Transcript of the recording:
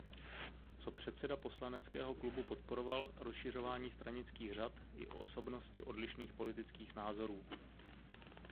Co předseda poslaneckého klubu podporoval rozšiřování stranických řad i o osobnosti odlišných politických názorů.